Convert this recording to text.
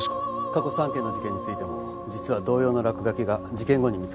過去３件の事件についても実は同様の落書きが事件後に見つかっている。